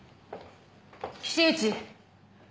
岸内！